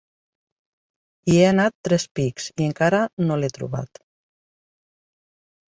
Hi he anat tres pics i encara no l'he trobat.